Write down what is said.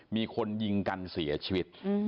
มีคนยิงกันเสียชีวิต